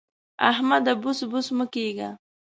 احمده! بوڅ بوڅ مه کېږه.